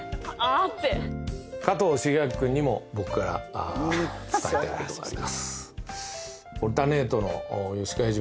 加藤シゲアキ君にも僕から伝えたいことがあります。